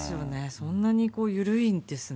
そんなに緩いんですね。